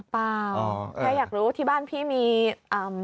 เปล่าถ้าอยากรู้ที่บ้านพี่มีเมียเก่าไหม